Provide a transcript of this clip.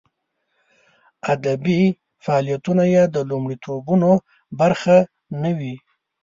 ادبي فعالیتونه یې د لومړیتوبونو برخه نه وي.